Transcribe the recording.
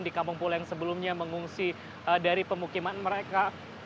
di kampung pulau yang sebelumnya mengungsi dari pemukiman mereka